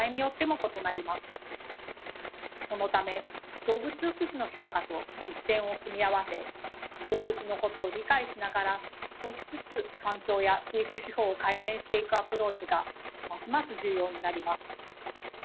そのため動物福祉の評価と実践を組み合わせ動物のことを理解しながら少しずつ環境や飼育手法を改善していくアプローチがますます重要になります。